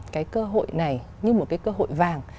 cái cơ hội này như một cái cơ hội vàng